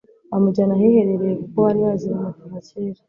bamujyana ahiherereye kuko bari baziranye kuva kera